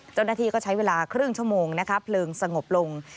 เจ้าหน้าที่ก็ใช้เวลาครึ่งชั่วโมงนะคะเพลิงสงบลง